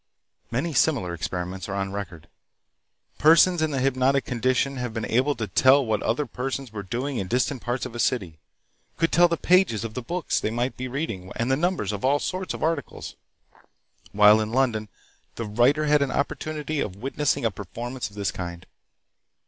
Many similar experiments are on record. Persons in the hypnotic condition have been able to tell what other persons were doing in distant parts of a city; could tell the pages of the books they might be reading and the numbers of all sorts of articles. While in London the writer had an opportunity of witnessing a performance of this kind.